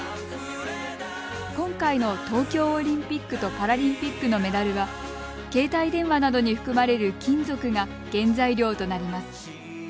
今回の東京オリンピックとパラリンピックのメダルは携帯電話などに含まれる金属が原材料となります。